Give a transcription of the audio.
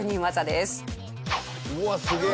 うわっすげえ！